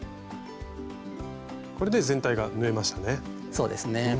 これで全体が縫えましたね。